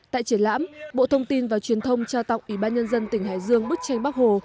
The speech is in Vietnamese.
tại triển lãm bộ thông tin và truyền thông trao tặng ủy ban nhân dân tỉnh hải dương bức tranh bắc hồ